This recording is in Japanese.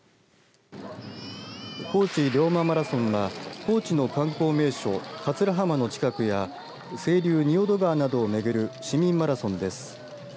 高知龍馬マラソンは高知の観光名所桂浜の近くや清流、仁淀川などを巡る市民マラソンです。